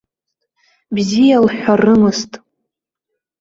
Бзиа лҳәарымызт.